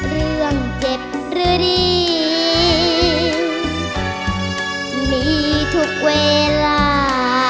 เรื่องเจ็บหรือดีมีทุกเวลา